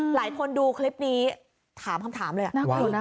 หลายคนดูคลิปนี้ถามคำถามเลย